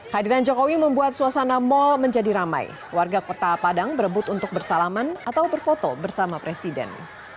hadiran jokowi membuat suasana mal menjadi ramai warga kota padang berebut untuk bersalaman atau berfoto bersama presiden